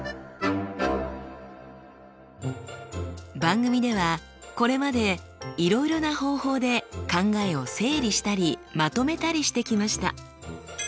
番組ではこれまでいろいろな方法で考えを整理したりまとめたりしてきました。